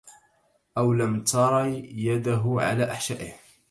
أو لم تري يده على أحشائه